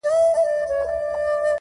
دا يې زېری دطغيان دی -